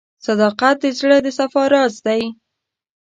• صداقت د زړه د صفا راز دی.